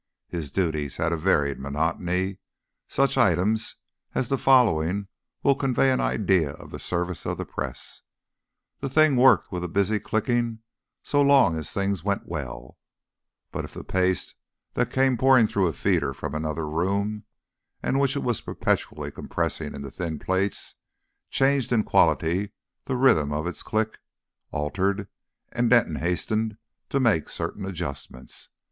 His duties had a varied monotony. Such items as the following will convey an idea of the service of the press. The thing worked with a busy clicking so long as things went well; but if the paste that came pouring through a feeder from another room and which it was perpetually compressing into thin plates, changed in quality the rhythm of its click altered and Denton hastened to make certain adjustments.